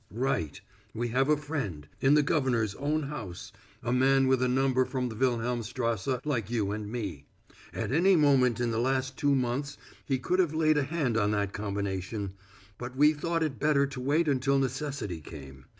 "Right. We have a friend in the governor's own house a man with a number from the Wilhelmstrasse like you and me. At any moment in the last two months he could have laid a hand on that combination. But we thought it better to wait until necessity came.